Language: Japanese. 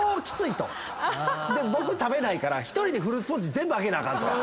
僕食べないから１人でフルーツポンチ全部空けなあかんと。